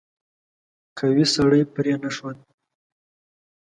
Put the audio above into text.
قوي سړی پرې نه ښود.